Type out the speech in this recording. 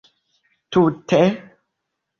Tute?